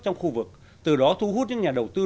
trong khu vực từ đó thu hút những nhà đầu tư